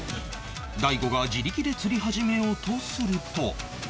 大悟が自力で釣り始めようとすると